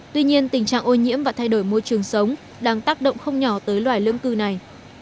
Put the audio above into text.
tuy nhiên tình trạng ô nhiễm và thay đổi môi trường sống đang tác động không nhỏ tới loài lưỡng cư này